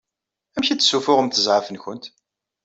Amek i d-ssufuɣemt zɛaf-nkent?